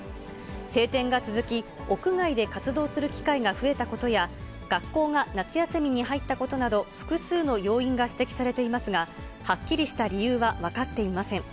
晴天が続き、屋外で活動する機会が増えたことや、学校が夏休みに入ったことなど、複数の要因が指摘されていますが、はっきりした理由は分かっていません。